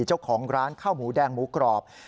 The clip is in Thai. เจ้าของร้านข้าวหมูแดงหมูกรอบ